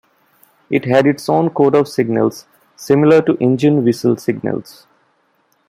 It had its own code of signals, similar to engine whistle signals.